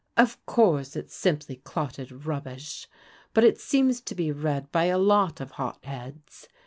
" Of course it's simply clotted rubbish, but it seems to be read by a lot of hot heads.